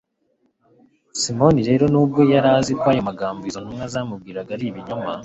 simoni rero, n'ubwo yari azi ko ayo magambo izo ntumwa zamubwiraga ari ibinyoma